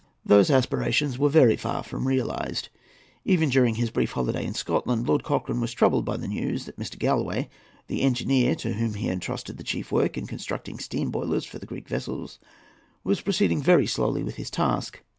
Those aspirations were very far from realised. Even during his brief holiday in Scotland, Lord Cochrane was troubled by the news that Mr. Galloway, the engineer to whom had been entrusted the chief work in constructing steam boilers for the Greek vessels, was proceeding very slowly with his task.